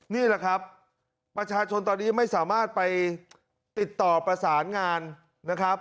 นี่แหละครับประชาชนตอนนี้ไม่สามารถไปติดต่อประสานงานนะครับ